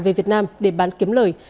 về việt nam để bán kiếm lời